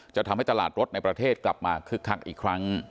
จะทำให้ตลาดรถในประเทศกลับมาคึกคักอีกครั้ง